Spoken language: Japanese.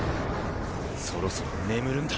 そろそろ眠るんだ。